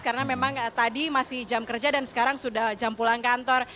karena memang tadi masih jam kerja dan sekarang sudah jam pulang kantor